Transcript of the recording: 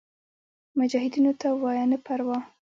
مجاهدینو ته ووایه نه پروا.